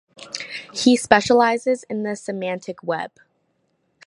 He specializes in the Semantic Web.